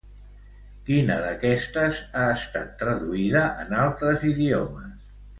Quina d'aquestes ha estat traduïda en altres idiomes?